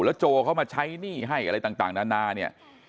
แล้วโจเขามาใช้หนี้ให้อะไรต่างนานา